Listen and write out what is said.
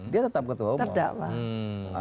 dia tetap ketua umum